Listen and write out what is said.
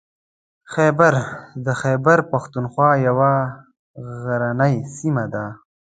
خیبر د خیبر پښتونخوا یوه غرنۍ سیمه ده.